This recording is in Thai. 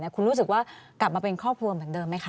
คุณรู้สึกว่ากลับมาเป็นครอบครัวเหมือนเดิมไหมคะ